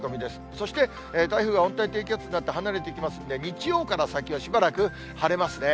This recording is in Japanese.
そして台風が温帯低気圧になって離れていきますんで、日曜から先はしばらく晴れますね。